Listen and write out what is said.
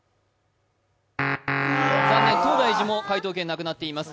残念、東大寺も解答権なくなっています。